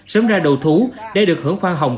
sớm ra đầu thú để được hưởng khoa hồng